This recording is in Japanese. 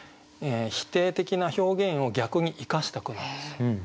否定的な表現を逆に生かした句なんですよ。